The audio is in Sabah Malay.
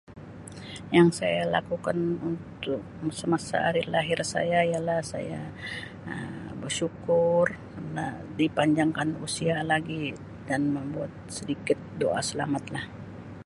Yang saya lakukan untuk semasa hari lahir saya ialah saya Um bersyukur dipanjangkan usia lagi dan membuat sedikit dia selamat lah.